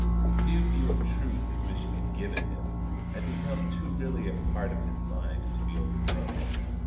The new view of truth his vision had given him had become too really a part of his mind to be overthrown.